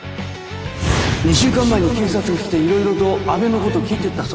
２週間前に警察が来ていろいろと阿部のこと聞いてったそうだ。